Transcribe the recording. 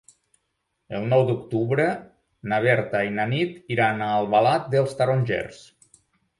El nou d'octubre na Berta i na Nit iran a Albalat dels Tarongers.